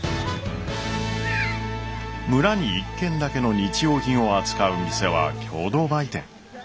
村に一軒だけの日用品を扱う店は共同売店。